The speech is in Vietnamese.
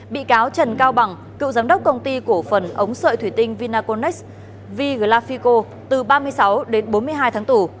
bị cáo trần cao bằng cựu giám đốc công ty cổ phần ống sợi thủy tinh vinaconex vglafico từ ba mươi sáu đến bốn mươi hai tháng tù